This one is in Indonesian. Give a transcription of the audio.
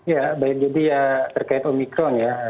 ya baik jadi ya terkait omikron ya